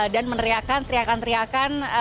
dan meneriakan teriakan teriakan